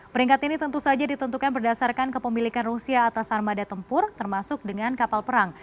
peringkat ini tentu saja ditentukan berdasarkan kepemilikan rusia atas armada tempur termasuk dengan kapal perang